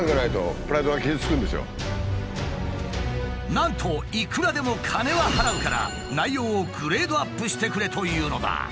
なんといくらでも金は払うから内容をグレードアップしてくれというのだ。